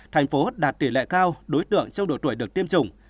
thành phố đạt tỷ lệ cao đối tượng trong độ tuổi được tiêm chủng